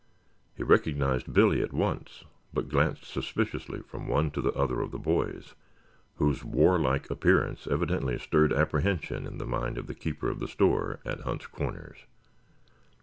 He recognized Billy at once, but glanced suspiciously from one to the other of the boys, whose warlike appearance evidently stirred apprehension in the mind of the keeper of the store at Hunt's Corners.